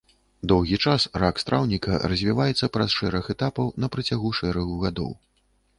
Доўгі час рак страўніка развіваецца праз шэраг этапаў на працягу шэрагу гадоў.